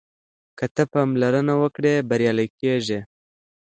که ته پاملرنه وکړې بریالی کېږې.